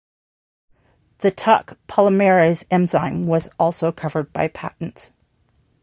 The "Taq" polymerase enzyme was also covered by patents.